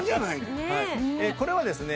これはですね